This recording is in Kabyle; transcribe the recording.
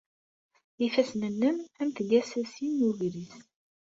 Ifassen-nnem am tgasasin n ugris.